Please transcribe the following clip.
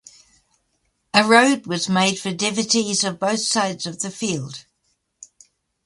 A road was made for devotees on both sides of the field.